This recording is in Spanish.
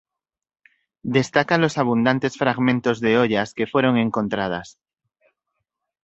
Destaca los abundantes fragmentos de ollas que fueron encontradas.